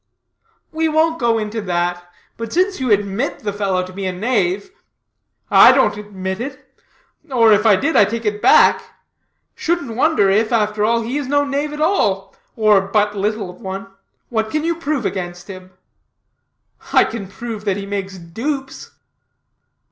'" "We won't go into that. But since you admit the fellow to be a knave " "I don't admit it. Or, if I did, I take it back. Shouldn't wonder if, after all, he is no knave at all, or, but little of one. What can you prove against him?" "I can prove that he makes dupes."